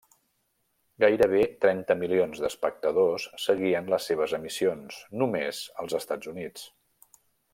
Gairebé trenta milions d'espectadors seguien les seves emissions, només als Estats Units.